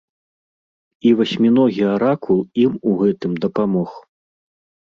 І васьміногі аракул ім у гэтым дапамог.